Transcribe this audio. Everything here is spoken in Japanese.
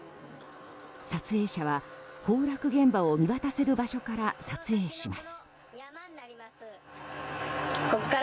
撮影者は崩落現場を見渡せる場所から撮影します。